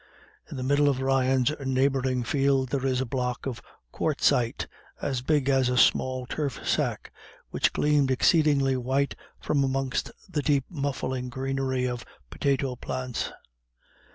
In the middle of the Ryans' neighbouring field there is a block of quartzite, as big as a small turf stack, which gleamed exceedingly white from amongst the deep muffling greenery of the potato plants.